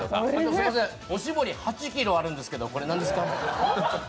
すみません、おしぼり８ｋｇあるんですけど、これ何ですか？